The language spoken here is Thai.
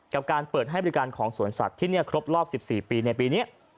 กับการเปิดให้บริการของสวนสัตว์ที่นี่ครบรอบ๑๔ปีในปีนี้